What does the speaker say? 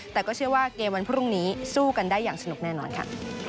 แต่ก็เชื่อว่าเกมวันพรุ่งนี้สู้กันได้อย่างสนุกแน่นอนค่ะ